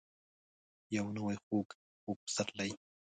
یو نوی خوږ. خوږ پسرلی ،